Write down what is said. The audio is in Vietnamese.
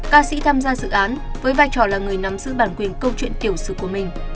ca sĩ tham gia dự án với vai trò là người nắm giữ bản quyền câu chuyện tiểu sử của mình